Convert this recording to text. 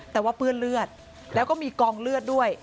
แต่ว่าเปื้อนเลือดแล้วก็มีกองเลือดด้วย